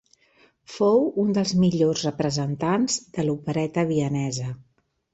Fou un dels millors representants de l'opereta vienesa.